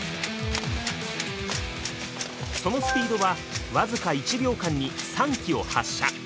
そのスピードは僅か１秒間に３機を発射。